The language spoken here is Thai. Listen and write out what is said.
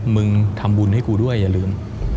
มึงทำบุญให้กูด้วยอย่าลืม